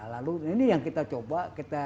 lalu ini yang kita coba